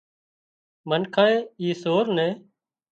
منکانئي اي سور نين